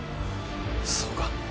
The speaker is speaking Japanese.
そうか。